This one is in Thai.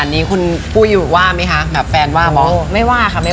เดินมาเต้นแล้วไม่น่าได้